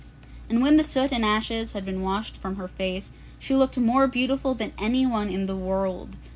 And when the soot and ashes had been washed from her face, she looked more beautiful than anyone in the world.